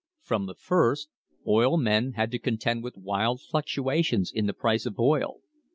From the first, oil men had to contend with wild fluctuations in the price of oil.